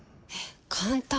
簡単！